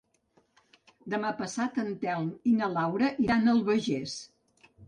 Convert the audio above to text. Demà passat en Telm i na Laura iran a l'Albagés.